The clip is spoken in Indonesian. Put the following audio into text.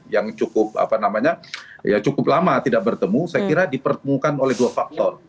yang cukup lama tidak bertemu saya kira dipertemukan oleh dua faktor